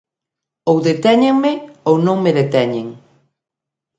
ou detéñenme ou non me deteñen.